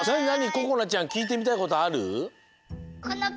ここなちゃんきいてみたいことある？